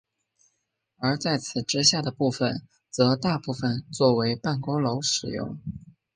而在此之下的部分则大部分作为办公楼使用。